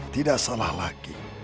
tidak salah lagi